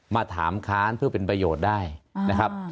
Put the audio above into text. มาถามค้านเพื่อเป็นประโยชน์ได้นะครับ